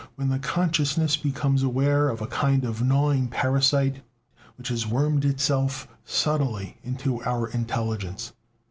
when the consciousness becomes aware of a kind of gnawing parasite which has wormed itself subtly into our intelligence.